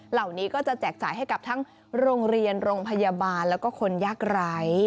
เหล่านี้ก็จะแจกจ่ายให้กับทั้งโรงเรียนโรงพยาบาลแล้วก็คนยากไร้